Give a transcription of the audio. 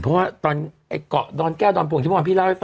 เพราะว่าตอนไอฯเกราะะดอนแก้วดอนโภงชิ้นผอมพี่เล่าเป็นต่อ